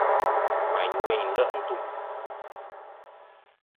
Wayn weyn nle' ntum.